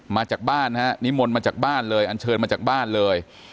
มาจากบ้านฮะนิมนต์มาจากบ้านเลยอันเชิญมาจากบ้านเลย